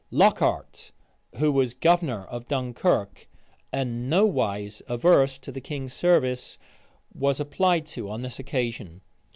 [*] Lockhart, who was governor of Dunkirk, and nowise averse to the king's service, was applied to on this occasion.